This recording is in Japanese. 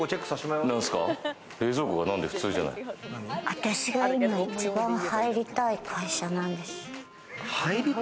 私が今一番入りたい会社なんです。